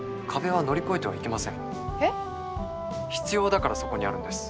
必要だからそこにあるんです。